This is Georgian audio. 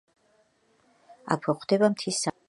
აქვე გვხვდება მთის სამი პატარა ტბა.